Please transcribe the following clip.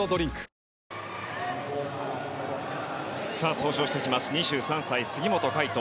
登場してきます２３歳、杉本海誉斗。